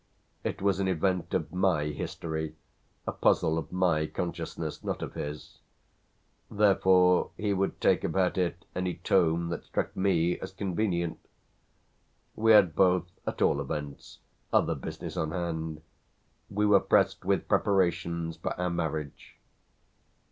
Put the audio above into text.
It was an event of my history, a puzzle of my consciousness, not of his; therefore he would take about it any tone that struck me as convenient. We had both at all events other business on hand; we were pressed with preparations for our marriage.